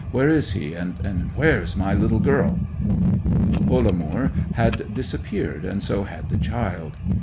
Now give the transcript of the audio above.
'Where is he, and where—where's my little girl?' Ollamoor had disappeared, and so had the child.